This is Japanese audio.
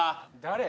誰？